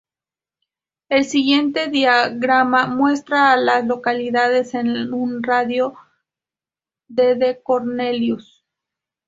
El siguiente diagrama muestra a las localidades en un radio de de Cornelius.